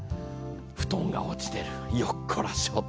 布団が落ちてる、よっこらしょ。